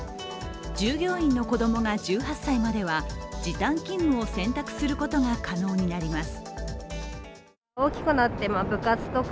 従業員の子供が１８歳までは時短勤務を選択することが可能になります。